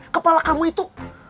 kepala kamu itu